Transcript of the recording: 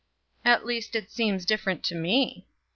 At least it seems different to me.